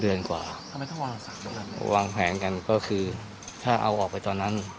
๓เดือนกว่าวางแผงกันก็คือถ้าเอาออกไปตอนนั้น